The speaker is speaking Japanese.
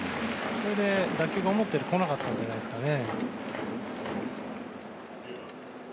それだけ打球が思ったより来なかったんじゃないですかね。